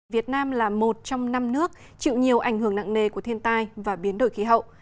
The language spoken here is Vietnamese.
việt nam là một trong năm nước chịu nhiều ảnh hưởng nặng nề của thiên tai và biến đổi khí hậu